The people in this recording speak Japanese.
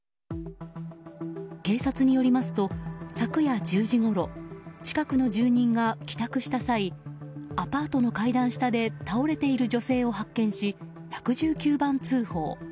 警察によりますと昨夜１０時ごろ近くの住人が帰宅した際アパートの階段下で倒れている女性を発見し１１９番通報。